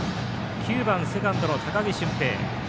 ９番セカンドの高木馴平。